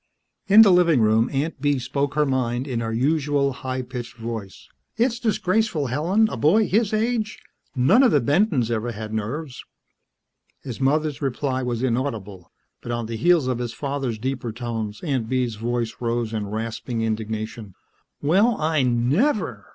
In the living room Aunt Bee spoke her mind in her usual, high pitched voice. "It's disgraceful, Helen. A boy his age.... None of the Bentons ever had nerves." His mother's reply was inaudible, but on the heels of his father's deeper tones, Aunt Bee's voice rose in rasping indignation. "Well! I never!